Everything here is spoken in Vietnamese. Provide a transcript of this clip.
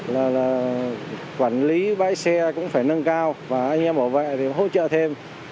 là quản lý bãi xe cũng phải nâng cao và anh em bảo vệ thì hỗ trợ thêm